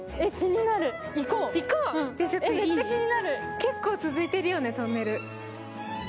結構続いてるよね、トンネル。